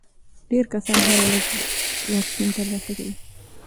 ډېر کسان هره ورځ واکسین ترلاسه کوي.